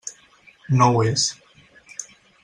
No ho és.